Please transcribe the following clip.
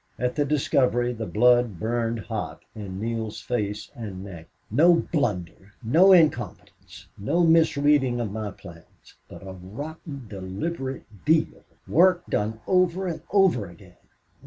At the discovery the blood burned hot in Neale's face and neck. "No blunder! No incompetence! No misreading of my plans! But a rotten, deliberate deal!... Work done over and over again!